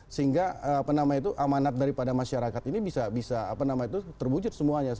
sehingga amanat daripada masyarakat ini bisa terwujud semuanya